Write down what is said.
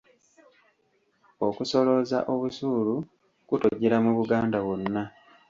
Okusolooza obusuulu kutojjera mu Buganda wonna.